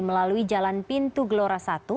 melalui jalan pintu gelora satu